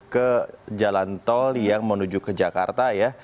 ke jalan tol yang menuju ke jakarta ya